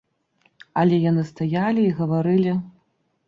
Але яны стаялі і гаварылі.